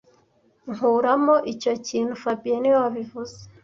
Nkuramo icyo kintu fabien niwe wabivuze